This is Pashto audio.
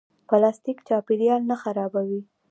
پلاستیک چاپیریال نه خرابوي